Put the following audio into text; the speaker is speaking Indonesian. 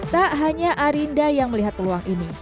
tak hanya arinda yang melihat peluang ini